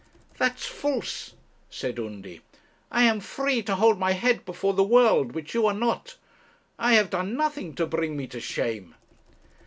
'That's false,' said Undy. 'I am free to hold my head before the world, which you are not. I have done nothing to bring me to shame.'